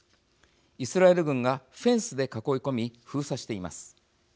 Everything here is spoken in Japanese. イスラエル軍がフェンスで囲い込み封鎖しています。